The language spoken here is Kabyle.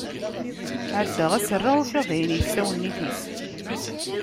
Ɛeddaɣ ad s-rreɣ, ufiɣ dayen yekkes awennit-is.